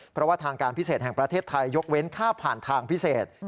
เพราะว่าทางการพิเศษแห่งประเทศไทยยกเว้นค่าผ่านทางพิเศษ